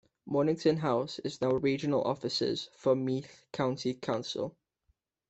Mornington House is now regional offices for Meath County Council.